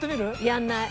やらない。